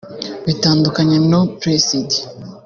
bitandukanye no Press It